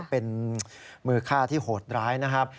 เป็นมือฆ่าที่โหดร้ายนะครับ